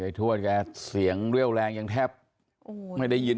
ทวดแกเสียงเรี่ยวแรงยังแทบไม่ได้ยิน